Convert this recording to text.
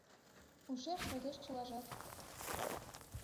Ушеш возеш чылажат